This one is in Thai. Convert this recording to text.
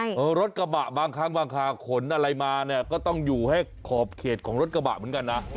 รถกระบะบางครั้งบางคาขนอะไรมาเนี่ยก็ต้องอยู่ให้ขอบเขตของรถกระบะเหมือนกันนะ